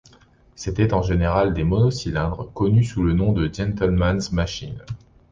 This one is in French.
C'était en général des monocylindres connues sous le nom de Gentleman's Machine.